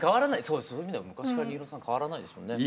そういう意味では昔から新納さん変わらないですもんね。